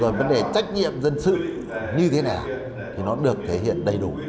rồi vấn đề trách nhiệm dân sự như thế nào thì nó được thể hiện đầy đủ